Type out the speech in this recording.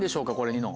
ニノ。